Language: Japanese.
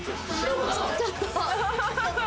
ちょっと。